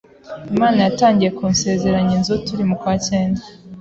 Imana yatangiye kunsezeranya inzu turi mu kwa cyenda,